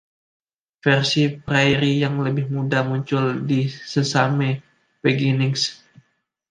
Versi Prairie yang lebih muda muncul di "Sesame Beginnings".